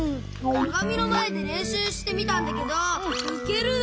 かがみのまえでれんしゅうしてみたんだけどうけるの！